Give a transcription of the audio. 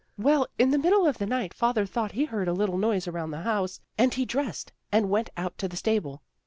" Well, in the middle of the night father thought he heard a little noise around the house and he dressed and went out to the stable.